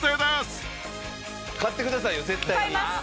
買ってくださいよ絶対に。